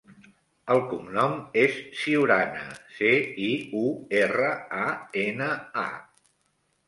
El cognom és Ciurana: ce, i, u, erra, a, ena, a.